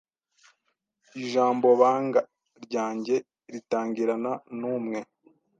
Ijambo banga ryanjye ritangirana numwe